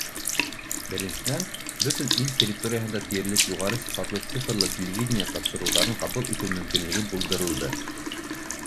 Беренсенән, бөтөн ил территорияһында тиерлек юғары сифатлы цифрлы телевидение тапшырыуҙарын ҡабул итеү мөмкинлеге булдырылды.